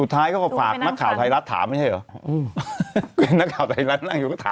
ทหมหน้าเล็กนะ